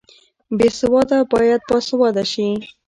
بې سواده باید باسواده شي